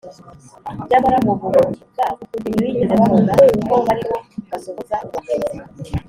nyamara mu buhumyi bwabo, ntibigeze babona ko bariho basohoza ubuhanuzi